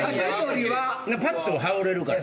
パッと羽織れるから。